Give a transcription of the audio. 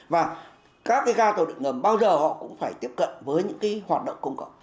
và các cái ga tàu điện ngầm bao giờ họ cũng phải tiếp cận với những cái hoạt động công cộng